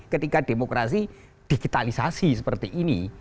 ketika demokrasi digitalisasi seperti ini